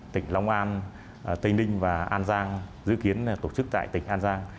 tỉnh long an tây ninh và an giang dự kiến tổ chức tại tỉnh an giang